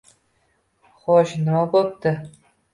Xo'sh, nima bo'pti?